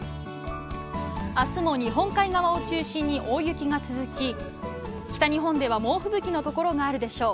明日も日本海側を中心に大雪が続き北日本では猛吹雪のところがあるでしょう。